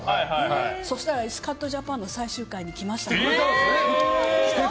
そしたら「スカッとジャパン」の最終回で着ました。